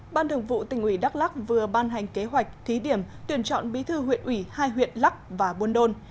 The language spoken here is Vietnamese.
ban thường vụ tỉnh ủy đắk lắc vừa ban hành kế hoạch thí điểm tuyển chọn bí thư huyện ủy hai huyện lắc và buôn đôn